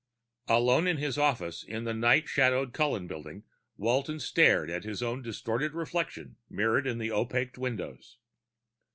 Alone in his office in the night shadowed Cullen Building, Walton stared at his own distorted reflection mirrored in the opaqued windows.